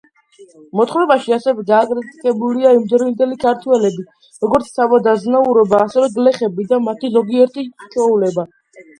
მოთხრობაში, ასევე, გაკრიტიკებულია იმდროინდელი ქართველები, როგორც თავად-აზნაურობა, ასევე გლეხები და მათი ზოგიერთი ჩვეულება.